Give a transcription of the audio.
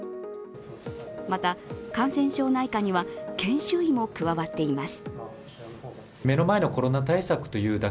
また、感染症内科には研修医も加わっています。